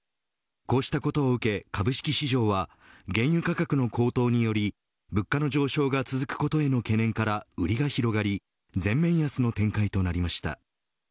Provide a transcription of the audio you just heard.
こうしたことを受け、株式市場は原油価格の高騰により物価の上昇が続くことへの懸念から売りが広がり全面安の展開となりました。